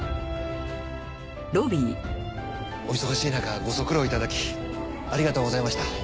お忙しい中ご足労いただきありがとうございました。